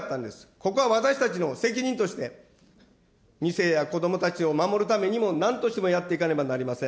ここは私たちの責任として、２世やこどもたちを守るためにもなんとしてもやっていかねばなりません。